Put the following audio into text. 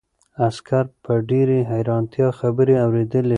عسکر په ډېرې حیرانتیا خبرې اورېدلې.